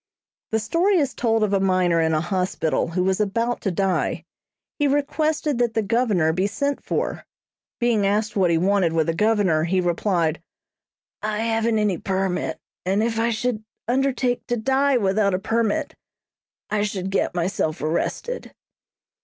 The story is told of a miner in a hospital who was about to die. He requested that the Governor be sent for. Being asked what he wanted with the Governor, he replied: "I haven't any permit, and if I should undertake to die without a permit, I should get myself arrested."